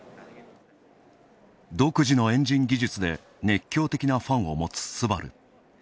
独自のエンジン技術で熱狂的なファンを持つスバル。